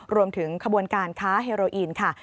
รวมถึงขบวนการค้าเฮโรออีนค่ะ